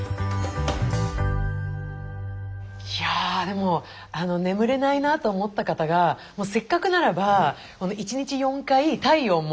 いやでも眠れないなと思った方がせっかくならば１日４回体温。